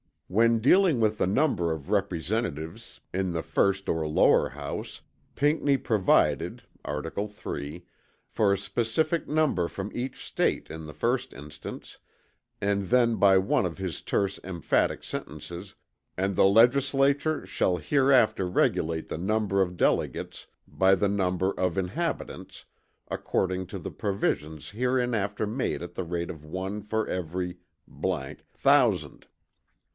When dealing with the number of representatives in the first or lower house, Pinckney provided (Art. 3) for a specific number from each State, in the first instance, and then by one of his terse emphatic sentences, "and the legislature shall hereafter regulate the number of delegates by the number of inhabitants, according to the provisions hereinafter made at the rate of one for every thousand."